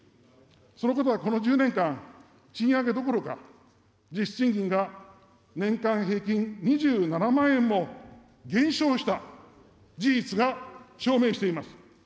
そのことはこの１０年間、賃上げどころか、実質賃金が年間平均２７万円も減少した事実が証明しています。